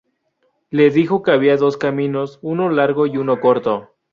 Le dijo que había dos caminos, uno largo y uno corto.